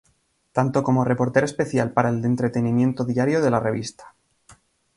Tanto como reportera especial para el entretenimiento diario de la revista.